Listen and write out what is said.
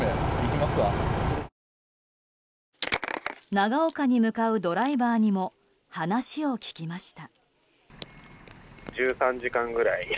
長岡に向かうドライバーにも話を聞きました。